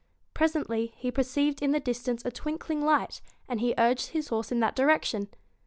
Presently he perceived in the distance a twinkling light, and he urged his horse in that direction.